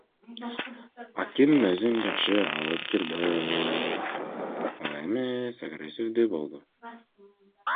Аким өзүн жакшы алып жүрбөй, ал эмес агрессивдүү болду.